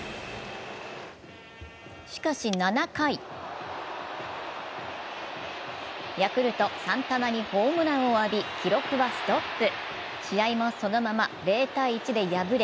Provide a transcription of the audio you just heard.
しかし７回ヤクルト・サンタナにホームランを浴び記録はストップ、試合もそのまま０−１で敗れ